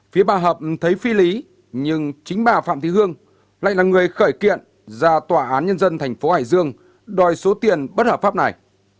phía bà hợp thấy phi lý nhưng chính bà phạm thị hương lại là người khởi kiện ra tòa án nhân dân thành phố hải dương đòi số tiền bất hợp pháp này